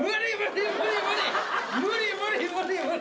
無理無理無理無理。